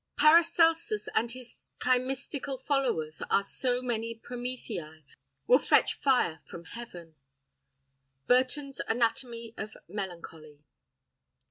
Paracelsus and his chymistical followers are so many Promethei, will fetch fire from heaven. Burton's Anatomy of Melancholy.